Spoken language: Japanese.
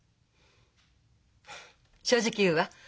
正直言うわ。